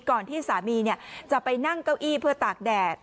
ก่อนที่สามีจะไปนั่งเก้าอี้เพื่อตากแดด